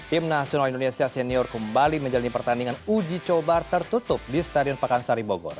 tim nasional indonesia senior kembali menjalani pertandingan uji coba tertutup di stadion pakansari bogor